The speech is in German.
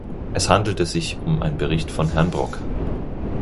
Es handelte sich um einen Bericht von Herrn Brok.